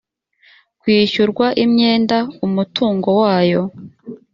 kwishyurwa imyenda umutungo wayo